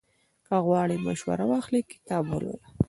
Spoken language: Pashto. که غواړې مشوره واخلې، کتاب ولوله.